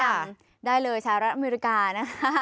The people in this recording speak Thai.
แนะนำได้เลยชาวรัฐอเมริกานะคะ